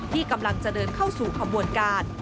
ที่กำลังจะเดินเข้าสู่ขบวนการ